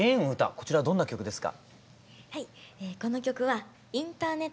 こちらはどのような曲ですか？